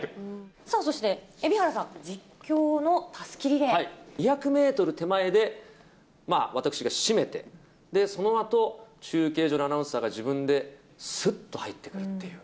さあそして蛯原さん、実況の２００メートル手前で、私が締めて、そのあと、中継所のアナウンサーが自分ですっと入ってくるっていう。